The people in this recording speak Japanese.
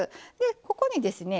ここにですね